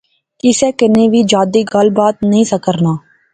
کسے کنے وی جادے گل بات نہسا کرنا